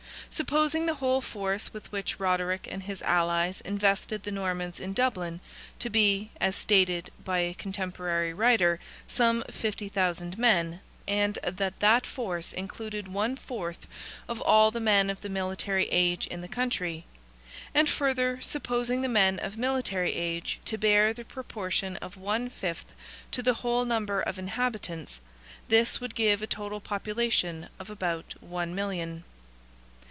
Supposing the whole force with which Roderick and his allies invested the Normans in Dublin, to be, as stated by a cotemporary writer, some 50,000 men, and that that force included one fourth of all the men of the military age in the country; and further, supposing the men of military age to bear the proportion of one fifth to the whole number of inhabitants, this would give a total population of about one million.